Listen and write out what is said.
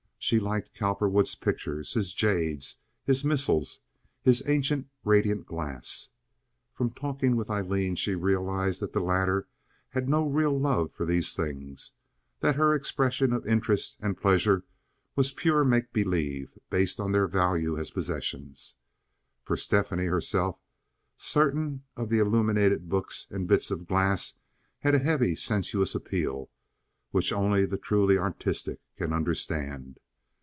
She liked Cowperwood's pictures, his jades, his missals, his ancient radiant glass. From talking with Aileen she realized that the latter had no real love for these things, that her expressions of interest and pleasure were pure make believe, based on their value as possessions. For Stephanie herself certain of the illuminated books and bits of glass had a heavy, sensuous appeal, which only the truly artistic can understand.